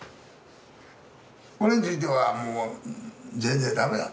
これについてはもう全然だめだと。